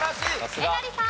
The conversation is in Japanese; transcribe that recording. えなりさん。